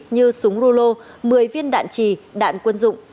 như súng rô lô một mươi viên đạn trì đạn quân dụng